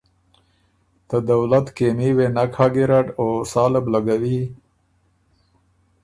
ته دولت کېمي وې نک هۀ ګیرډ او ساله بُو لګوي